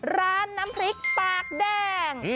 ร้านน้ำพริกปากแดง